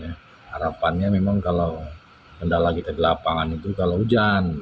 harapannya memang kalau kendala kita di lapangan itu kalau hujan